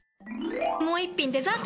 もう一品デザート！